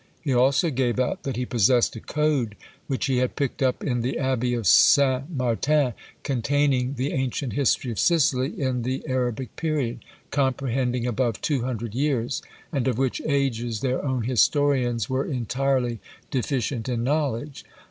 He also gave out that he possessed a code which he had picked up in the abbey of St. Martin, containing the ancient history of Sicily in the Arabic period, comprehending above two hundred years; and of which ages their own historians were entirely deficient in knowledge.